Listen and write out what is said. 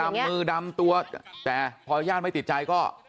มือดำตัวแต่พอญาติไม่ติดใจก็